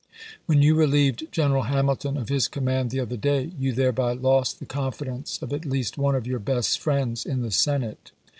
When you relieved General Hamilton of his command the other day, you thereby lost the confidence of at least one of your best friends in the Senate.